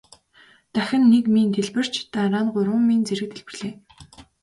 Дахин нэг мин дэлбэрч дараа нь гурван мин зэрэг дэлбэрлээ.